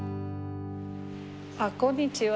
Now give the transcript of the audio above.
あっこんにちは。